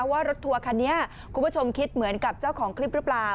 ว่ารถทัวร์คันนี้คุณผู้ชมคิดเหมือนกับเจ้าของคลิปหรือเปล่า